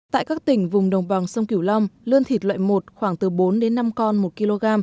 tại các tỉnh vùng đồng bằng sông kiểu long lươn thịt loại một khoảng từ bốn đến năm con một kg